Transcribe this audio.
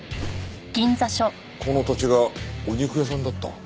この土地がお肉屋さんだった？